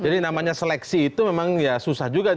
jadi namanya seleksi itu memang ya susah juga